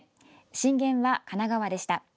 震源は神奈川でした。